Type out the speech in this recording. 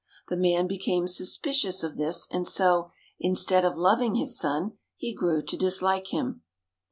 The man became suspicious of this, and so, instead of loving his son, he grew to dislike him.